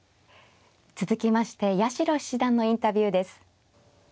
続きまして八代七段のインタビューです。